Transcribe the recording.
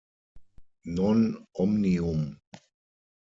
Non omnium".